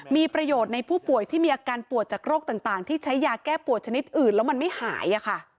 มีประโยชน์ในผู้ป่วยที่มีอาการปวดจากโรคต่างที่ใช้ยาแก้ปวดชนิดอื่นแล้วมันไม่หาย